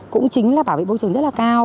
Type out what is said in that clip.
cũng chính là bảo vệ môi trường rất là cao